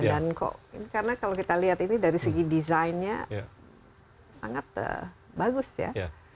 dan kok ini karena kalau kita lihat ini dari segi desainnya sangat bagus ya